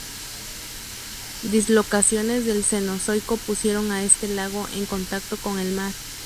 Dislocaciones del Cenozoico pusieron a este lago en contacto con el mar.